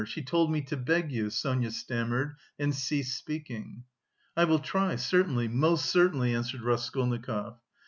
she told me to beg you..." Sonia stammered and ceased speaking. "I will try, certainly, most certainly," answered Raskolnikov.